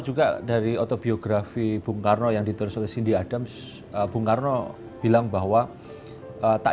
juga dari autobiografi bung karno yang ditulis oleh cindy adams bung karno bilang bahwa tak